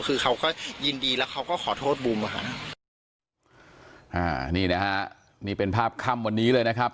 คือเขาก็ยินดีแล้วเขาก็ขอโทษบูมอ่ะค่ะอ่านี่นะฮะนี่เป็นภาพค่ำวันนี้เลยนะครับ